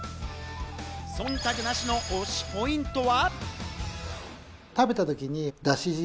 忖度なしの推しポイントは。